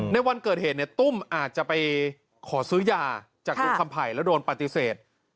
ในวันเกิดเหตุเนี่ยตุ้มอาจจะไปขอซื้อยาจากลุงคำไผ่แล้วโดนปฏิเสธ